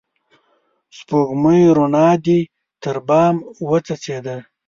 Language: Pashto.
سپوږمۍ روڼا دي تر بام وڅڅيده